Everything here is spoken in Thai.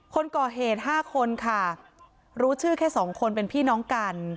คนก่อเหตุ๕คนค่ะรู้ชื่อแค่สองคนเป็นพี่น้องกัน